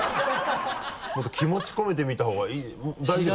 もっと気持ち込めてみたほうが大丈夫？